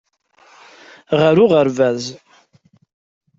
Ɣer uɣerbaz.